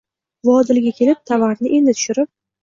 Vodilga kelib, tovarni endi tushirib